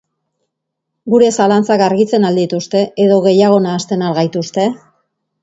Gure zalantzak argitzen al dituzte edo gehiago nahasten al gaituzte?